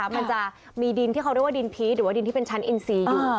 มันจะมีดินที่เขาเรียกว่าดินพีชหรือว่าดินที่เป็นชั้นอินซีอยู่